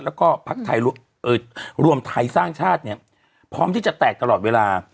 และก็ภักดิ์รวมไทยสร้างชาติพร้อมที่จะแตกตลอดเวลา